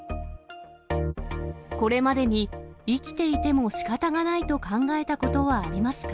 これまでに生きていてもしかたがないと考えたことはありますか？